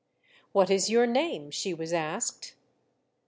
'' What is your name? " she was asked.